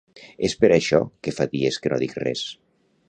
És per això que fa dies que no dic res.